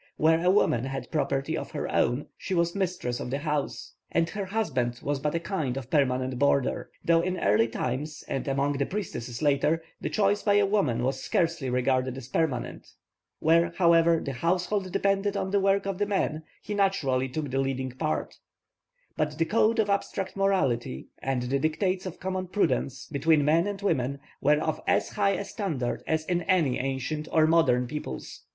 Where a woman had property of her own she was mistress of the house, and her husband was but a kind of permanent boarder. Though in early times, and among the priestesses later, the choice by a woman was scarcely regarded as permanent. Where, however, the household depended on the work of the man, he naturally took the leading part. But the code of abstract morality, and the dictates of common prudence, between men and women, were of as high a standard as in any ancient or modern peoples.